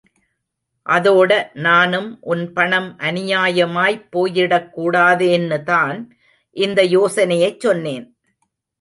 அதோடே நானும் உன் பணம் அநியாயமாய்ப் போயிடக்கூடாதேன்னுதான் இந்த யோசனையைச் சொன்னேன்.